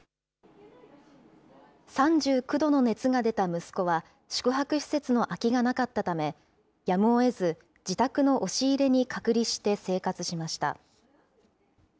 ３９度の熱が出た息子は宿泊施設の空きがなかったため、やむをえず、自宅の押し入れに隔離して生活しました。